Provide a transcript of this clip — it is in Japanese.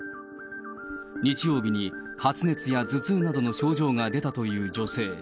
日曜日に発熱や頭痛などの症状が出たという女性。